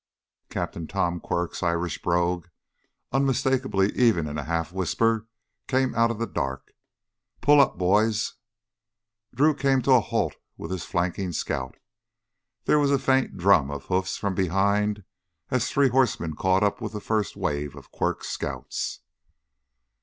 Captain Tom Quirk's Irish brogue, unmistakable even in a half whisper, came out of the dark: "Pull up, boys!" Drew came to a halt with his flanking scout. There was a faint drum of hoofs from behind as three horsemen caught up with the first wave of Quirk's Scouts.